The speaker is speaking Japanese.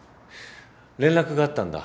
連絡があったんだ。